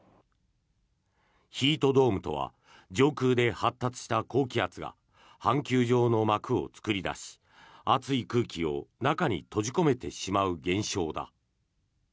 ヒートドームとは上空で発達した高気圧が半球状の膜を作り出し熱い空気を中に閉じ込めてしまう現象だ。